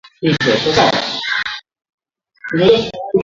vitamini C husaidia ufyonzwaji wa madini ya chuma